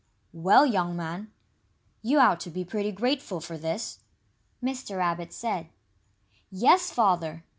"Well, young man, you ought to be pretty grateful for this," Mr. Rabbit said. "Yes, Father!"